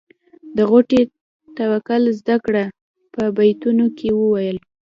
د غوټۍ توکل زده کړه په بیتونو کې وویل.